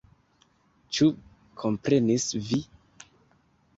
Ĉu komprenis vi?